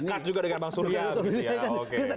dekat juga dengan bang surya